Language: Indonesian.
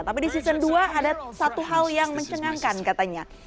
tapi di season dua ada satu hal yang mencengangkan katanya